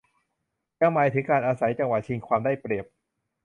ยังหมายถึงการอาศัยจังหวะชิงความได้เปรียบ